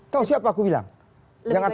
tahu sih apa aku bilang